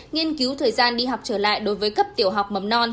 nghiên cứu thời gian đi học trở lại đối với cấp tiểu học mầm non